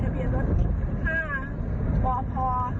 ๕พพ